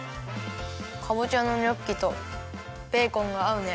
かぼちゃのニョッキとベーコンがあうね。